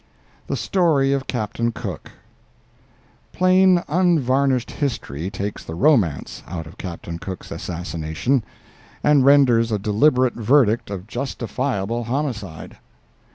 THE STORY OF CAPTAIN COOK Plain unvarnished history takes the romance out of Captain Cook's assassination, and renders a deliberate verdict of justifiable homicide.